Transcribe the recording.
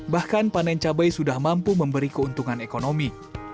daliman juga mencari keuntungan ekonomi